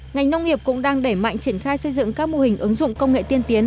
ngành nông nghiệp cũng đang đẩy mạnh triển khai xây dựng các mô hình ứng dụng công nghệ tiên tiến